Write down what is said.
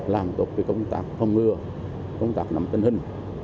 làm tốt cái công tác phòng ngừa công tác nắm tân hình